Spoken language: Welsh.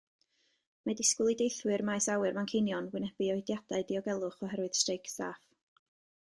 Mae disgwyl i deithwyr maes awyr Manceinion wynebu oediadau diogelwch oherwydd streic staff.